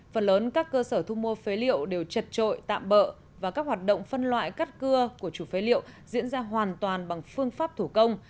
phần lớn các cơ sở thu mua phế liệu đều chật trội tạm bỡ và các hoạt động phân loại cắt cưa của chủ phế liệu diễn ra hoàn toàn bằng phương pháp thủ công